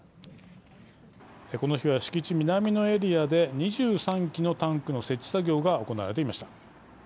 この日は敷地南のエリアで２３基のタンクの設置作業が行われていました。